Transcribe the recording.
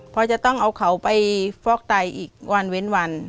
เพราะจะต้องเอาเขาไปฟอกไตอีกวันเว้นวัน